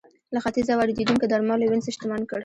له ختیځه واردېدونکو درملو وینز شتمن کړ.